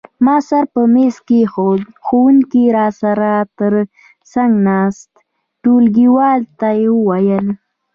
ما سر په مېز کېښود، ښوونکي را سره تر څنګ ناست ټولګیوال ته وویل.